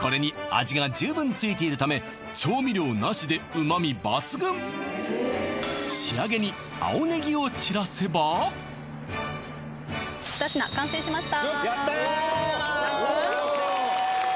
これに味が十分ついているため調味料なしで旨味抜群仕上げに青ネギを散らせばよっやった完成！